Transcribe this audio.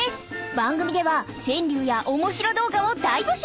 番組では川柳やおもしろ動画を大募集。